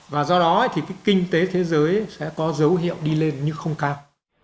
và do đó thì kinh tế thế giới sẽ có dấu hiệu đi lên nhưng không cao